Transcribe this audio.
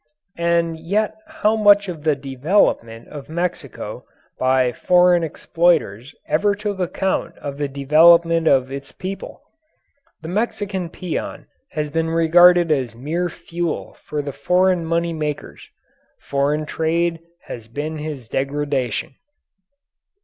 And yet how much of the "development" of Mexico by foreign exploiters ever took account of the development of its people? The Mexican peon has been regarded as mere fuel for the foreign money makers. Foreign trade has been his degradation.